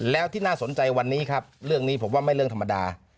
แล้วที่น่าสนใจวันนี้ครับเรื่องนี้ผมว่าไม่เรื่องธรรมดา